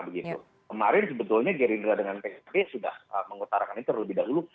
kemarin sebetulnya gerindra dengan pkb sudah mengutarakan itu terlebih dahulu